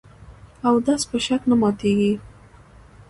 اودس په شک نه ماتېږي .